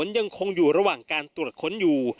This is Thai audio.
ยังคงอยู่ระหว่างการตรวจค้นอยู่